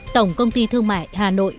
tổng công ty thương mại hà nội